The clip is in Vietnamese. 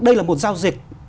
đây là một giao dịch